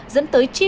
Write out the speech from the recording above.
dẫn tới chi phí